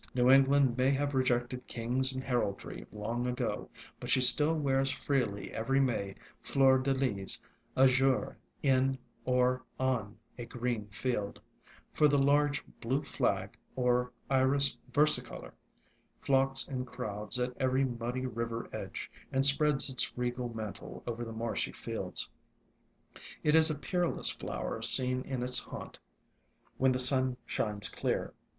New England may have rejected kings and heraldry long ago, but she still wears freely every May Fleur de Lys azure in or, on a green field; for the large Blue Flag, or Iris versicolor, flocks in crowds at every muddy river edge, and spreads its regal mantle over the marshy fields. It is a peerless flower seen in its haunt when the sun shines clear.